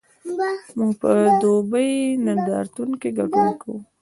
موږ په دوبۍ نندارتون کې ګډون کوو؟